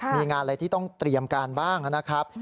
มีงานอะไรที่ต้องเตรียมการบ้างนะครับ